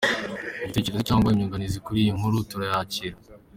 Igitekerezo cyangwa inyunganizi kuri iyi nkuru turayakira.